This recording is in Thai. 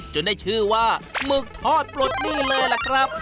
ได้ชื่อว่าหมึกทอดปลดหนี้เลยล่ะครับ